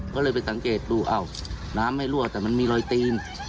ก็เลยไปสังเกตดูอ้าวน้ำไม่รั่วแต่มันมีรอยตีน